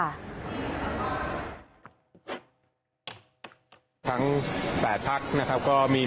อันนี้อย่าเชิญผมจะไปสร้างครั้งพิวเธม